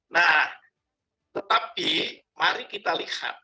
nah tetapi mari kita lihat